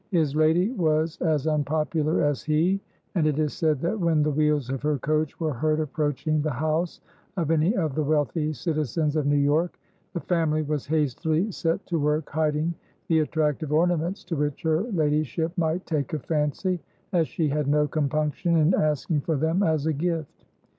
His lady was as unpopular as he and it is said that when the wheels of her coach were heard approaching the house of any of the wealthy citizens of New York, the family was hastily set to work hiding the attractive ornaments to which her ladyship might take a fancy, as she had no compunction in asking for them as a gift.